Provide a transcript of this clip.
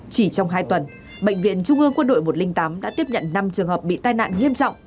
chỉ trong hai tuần bệnh viện trung ương quân đội một trăm linh tám đã tiếp nhận năm trường hợp bị tai nạn nghiêm trọng